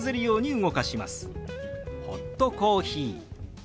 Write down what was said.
「ホットコーヒー」。